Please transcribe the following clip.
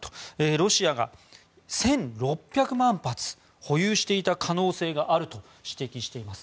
ロシアが１６００万発保有していた可能性があると指摘しています。